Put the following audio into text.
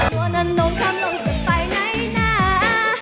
ตัวนั้นโดนทำลงสุดไปไหนน่า